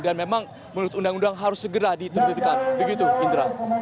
dan memang menurut undang undang harus segera ditertibikan begitu indra